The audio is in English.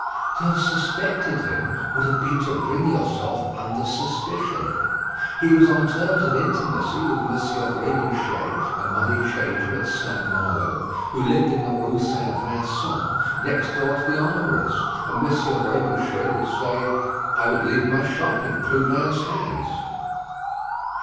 To have suspected him would have been to bring yourself under suspicion. He was on terms of intimacy with Monsieur Rébuchet, a money changer at St. Malo, who lived in the Rue St. Vincent, next door to the armourer's; and Monsieur Rébuchet would say, "I would leave my shop in Clubin's hands."